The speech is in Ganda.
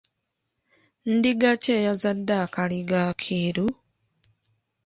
Ndiga ki eyazadde akaliga akeeru?